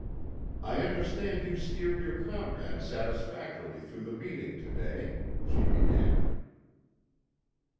"I understand you steered your comrade satisfactorily through the meeting to day," she began.